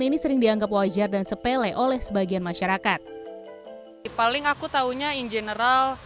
ini sering dianggap wajar dan sepele oleh sebagian masyarakat paling aku tahunya in general